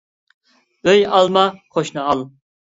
ئۆي ئالما، قوشنا ئال.